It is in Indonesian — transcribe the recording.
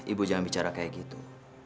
ibu jangan bicara kayak gitu